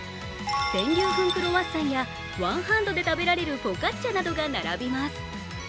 全粒粉クロワッサンやワンハンドで食べられるフォカッチャなどが並びます。